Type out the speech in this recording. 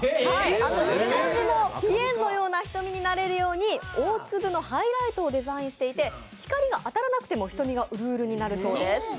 絵文字のぴえんのような瞳になれるように大粒のハイライトをデザインしていて光が当たらなくても瞳がうるうるになるそうです。